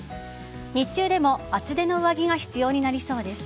日中でも厚手の上着が必要になりそうです。